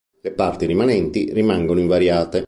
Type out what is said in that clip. Le parti rimanenti rimangono invariate.